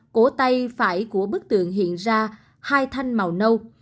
cổ tay phải của bức tượng hiện ra hai thanh màu nâu